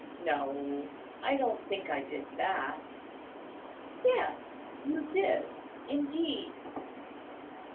"No; I don't think I did that." "Yes, you did, indeed."